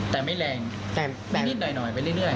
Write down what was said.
แต่ไม่แรงแต่นิดหน่อยไปเรื่อย